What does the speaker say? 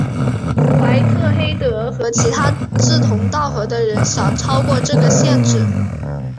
怀特黑德和其他志同道合的人想超越这个限制。